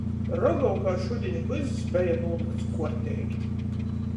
Rogovkā šudiņ vyss beja nūlykts kuorteigi.